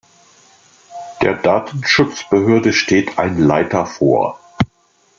Der Datenschutzbehörde steht ein Leiter vor.